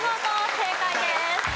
正解です。